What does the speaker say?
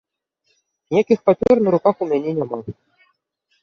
Ніякіх папер на руках у мяне няма.